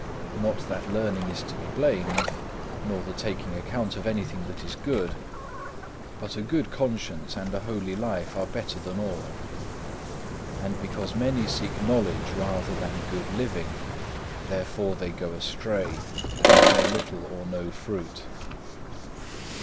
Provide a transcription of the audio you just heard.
Not that learning is to be blamed, nor the taking account of anything that is good; but a good conscience and a holy life is better than all. And because many seek knowledge rather than good living, therefore they go astray, and bear little or no fruit.